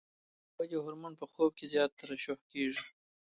د ودې هورمون په خوب کې زیات ترشح کېږي.